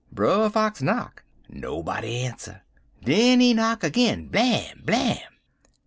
Brer Fox knock. Nobody ans'er. Den he knock agin blam! blam!